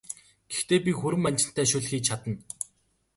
Гэхдээ би хүрэн манжинтай шөл хийж чадна!